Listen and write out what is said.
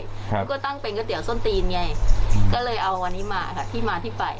เขาก็ตั้งเป็นก๋วส้นตีนไงก็เลยเอาอันนี้มาค่ะที่มาที่ไป